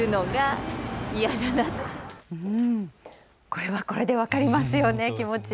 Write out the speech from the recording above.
これはこれで分かりますよね、気持ち。